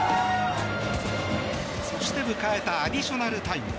そして迎えたアディショナルタイム。